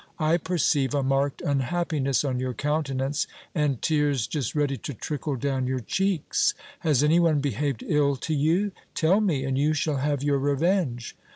I perceive a marked ur happiness on your countenance, and tears just ready to trickle down your cheeks. Has any one behaved ill to you ? Tell me, and you shall have your revenge.